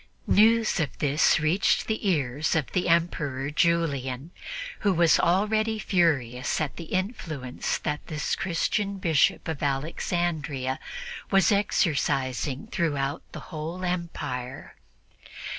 News of this reached the ears of the Emperor Julian, who was already furious at the influence that this Christian Bishop of Alexandria was exercising throughout the whole empire.